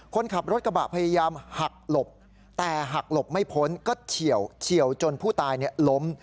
คนขับรถกระบะพยายามหักหลบแต่หักหลบไม่พ้นก็เฉียวจนผู้ตายล้ม